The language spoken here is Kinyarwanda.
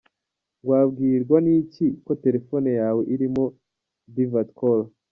Wabwirwa n’iki ko telefone yawe irimo Divert call ?.